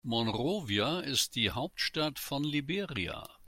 Monrovia ist die Hauptstadt von Liberia.